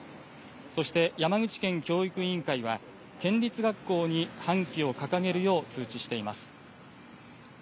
そして山口県教育委員会は県立学校に半旗を掲げるよう通知しています。